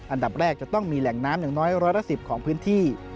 อันดับแรกจะต้องมีแหล่งน้ำอย่างน้อยร้อยละ๑๐ของพื้นที่